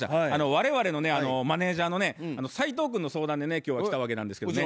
我々のねマネージャーのね斉藤君の相談でね今日は来たわけなんですけどね。